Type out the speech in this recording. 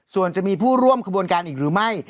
ส่วนจะมีผู้ร่วมขบวนการอีกหรือไม่